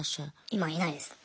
今いないですね。